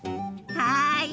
はい！